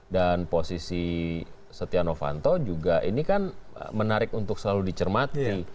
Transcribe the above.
dan posisi setia novanto juga ini kan menarik untuk selalu dicermati